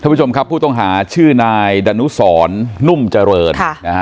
ผู้ชมครับผู้ต้องหาชื่อนายดานุสรนุ่มเจริญ